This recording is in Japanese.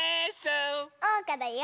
おうかだよ！